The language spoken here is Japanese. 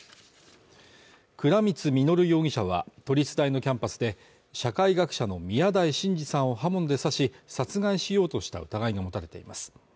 倉光実容疑者は、都立大のキャンパスで、社会学者の宮台真司さんを刃物で刺し殺害しようとした疑いが持たれています。